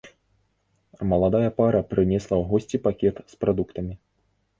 Маладая пара прынесла ў госці пакет з прадуктамі.